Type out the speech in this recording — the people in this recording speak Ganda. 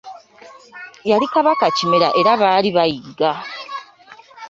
Yali Kabaka Kimera era baali bayigga.